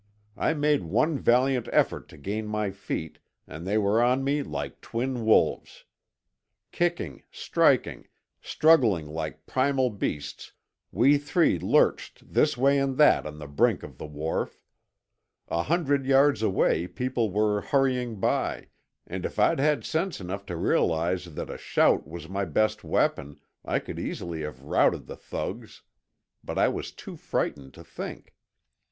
I made one valiant effort to gain my feet, and they were on me like twin wolves. Kicking, striking, struggling like primal beasts we three lurched this way and that on the brink of the wharf. A hundred yards away people were hurrying by, and if I'd had sense enough to realize that a shout was my best weapon I could easily have routed the thugs. But I was too frightened to think.